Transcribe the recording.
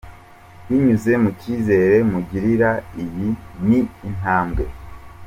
Binyuze mu cyizere mungirira iyi ni intambwe.